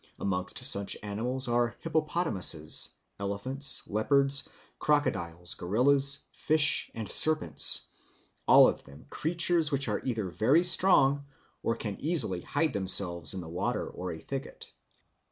Amongst such animals are hippopotamuses, elephants, leopards, crocodiles, gorillas, fish, and serpents, all of them creatures which are either very strong or can easily hide themselves in the water or a thicket.